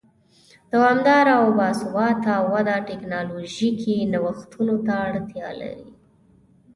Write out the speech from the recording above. دوامداره او با ثباته وده ټکنالوژیکي نوښتونو ته اړتیا لري.